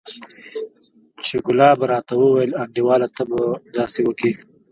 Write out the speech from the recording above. چې ګلاب راته وويل انډيواله ته به داسې وکې.